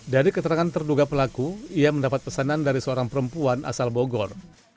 dari keterangan terduga pelaku ia mendapat pesanan dari seorang perempuan asal bogor